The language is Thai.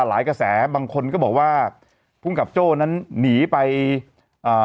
กระแสบางคนก็บอกว่าภูมิกับโจ้นั้นหนีไปอ่า